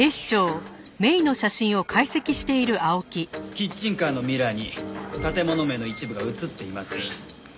キッチンカーのミラーに建物名の一部が映っています。